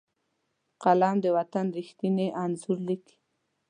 قلم د وطن ریښتیني انځور لیکي